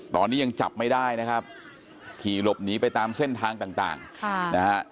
ตอนนี้ยังจับไม่ได้นะครับขี่หลบหนีไปตามเส้นทางต่างค่ะนะฮะ